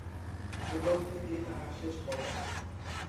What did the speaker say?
এই দল হইতেই তাহার শেষ পলায়ন।